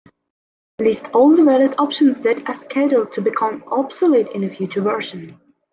List all the valid options that are scheduled to become obsolete in a future version.